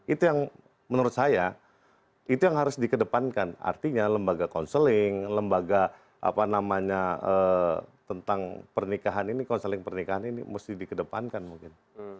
itu yang menurut saya itu yang harus dikedepankan artinya lembaga konseling lembaga apa namanya tentang pernikahan ini konseling pernikahan ini mesti dikedepankan mungkin